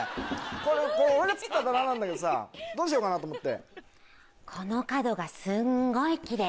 これ俺が作った棚なんだけどさどうしようかなと思って。